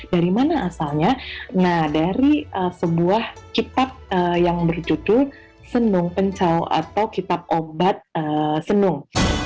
dari mana asalnya nah dari sebuah kitab yang berjudul senung pencau atau kitab obat senung